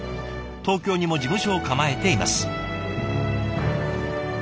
東京にも事務所を構えています。